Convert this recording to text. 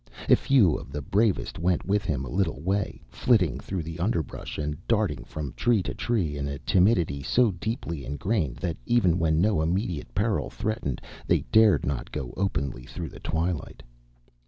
A few of the bravest went with him a little way, flitting through the underbrush and darting from tree to tree in a timidity so deeply ingrained that even when no immediate peril threatened they dared not go openly through the twilight.